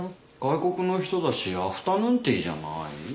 外国の人だしアフタヌーンティーじゃない？